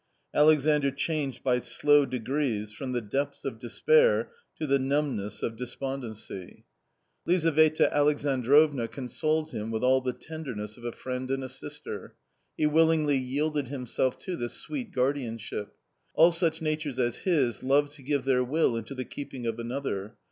Alexandr changed by slow degrees from the depths of despair to the numbness of despondency. X . 144 A COMMON STORY V Lizave ta Alexandrovna consoled him with all the tender nesS Of sf friend anci a sister. He willingly yielded himself v jj v v " I to this sweet guardianship. All such natures as his love to give their will into the keeping of another.